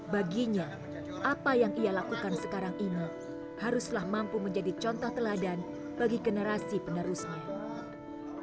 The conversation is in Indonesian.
baginya apa yang ia lakukan sekarang ini haruslah mampu menjadi contoh teladan bagi generasi penerusnya